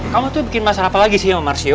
kamu tuh bikin masalah apa lagi sih sama marsio